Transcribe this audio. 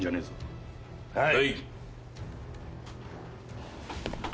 はい。